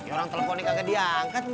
orang telfon ini kagak diangkat sama dia